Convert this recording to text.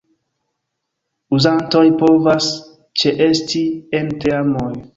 Uzantoj povas ĉeesti en teamoj.